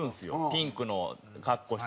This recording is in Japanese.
ピンクの格好して。